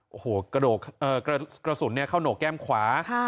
โอ้โหกระโดกเอ่อกระสุนเนี่ยเข้าโหนกแก้มขวาค่ะ